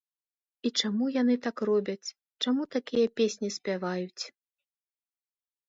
І чаму яны так робяць, чаму такія песні спяваюць?